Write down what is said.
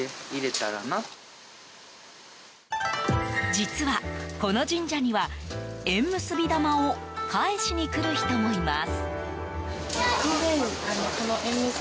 実はこの神社には、縁結び玉を返しにくる人もいます。